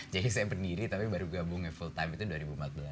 jadi saya pendiri tapi baru gabungnya full time itu dua ribu empat belas